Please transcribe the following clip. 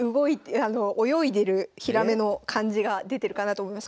泳いでるひらめの感じが出てるかなと思います。